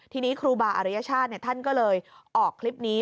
ทีนี้ครูบาอริยชาติท่านก็เลยออกคลิปนี้